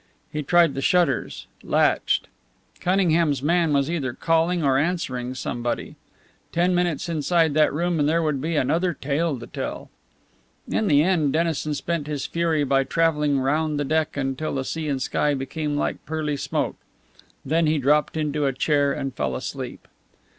He tried the shutters latched. Cunningham's man was either calling or answering somebody. Ten minutes inside that room and there would be another tale to tell. In the end Dennison spent his fury by travelling round the deck until the sea and sky became like pearly smoke. Then he dropped into a chair and fell asleep.